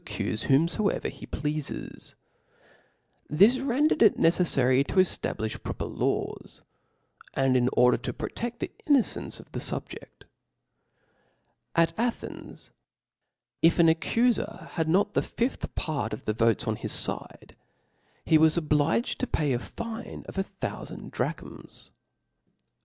M »«\ This rendered it neceflary to eftablifh proper laws, ;n order to proteft the innocence of the fubjeft. At Athens, if an accufcr had not the fifth part of the ^ votes on his fide, he was obliged to pay a fine of a thoufand drachms.